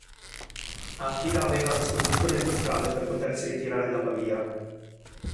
Attila aveva a disposizione due strade per potersi ritirare da Pavia.